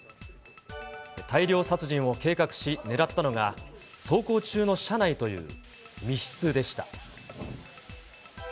大量殺人を計画し、狙ったのが、走行中の車内という密室でした。